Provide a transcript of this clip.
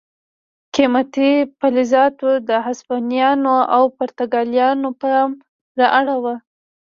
قیمتي فلزاتو د هسپانویانو او پرتګالیانو پام را اړاوه.